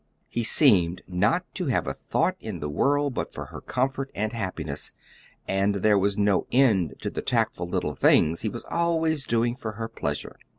He seemed not to have a thought in the world but for her comfort and happiness; and there was no end to the tactful little things he was always doing for her pleasure.